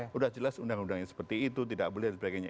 sudah jelas undang undangnya seperti itu tidak boleh dan sebagainya